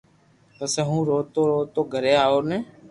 پسو ھون روتو روتو گھري آوتو